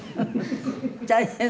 大変。